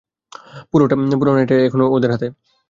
পুরো নাটাইটা এখন ওদের হাতে!